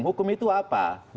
hukum itu apa